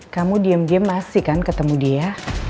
kamu diem diem masih kan ketemu dia